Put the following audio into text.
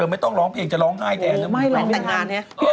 ไม่ต้องร้องเพลงจะร้องง่ายแท้เลย